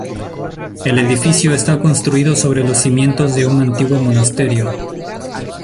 El edificio está construido sobre los cimientos de un antiguo monasterio.